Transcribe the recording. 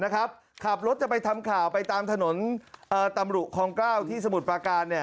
ขับรถจะไปทำข่าวไปตามถนนตำรุคลอง๙ที่สมุทรประการ